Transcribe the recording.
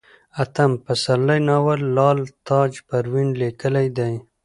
اتم پسرلی ناول لال تاجه پروين ليکلئ دی